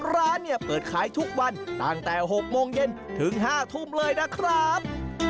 ร้านเนี่ยเปิดขายทุกวันตั้งแต่๖โมงเย็นถึง๕ทุ่มเลยนะครับ